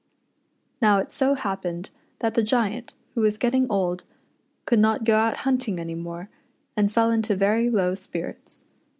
Now it so happened that the Giant, who was getting old, could not go out hunting any more, and lell into very low spirits.